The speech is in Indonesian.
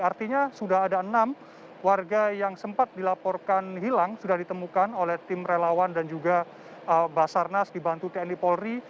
artinya sudah ada enam warga yang sempat dilaporkan hilang sudah ditemukan oleh tim relawan dan juga basarnas dibantu tni polri